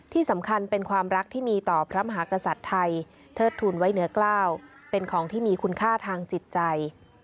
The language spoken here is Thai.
ที่สำคัญเป็นความรักที่มีต่อพระมหากษัตริย์ไทยเทิดทุนไว้เหนือกล้าวเป็นของที่มีคุณค่าทางจิตใจ